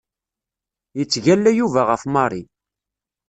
Yettgalla Yuba ɣef Mary.